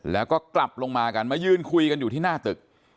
แล้วก็กลับลงมากันมายืนคุยกันอยู่ที่หน้าตึก